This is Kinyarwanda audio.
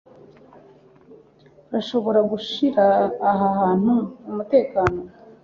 urashobora gushira aha hantu umutekano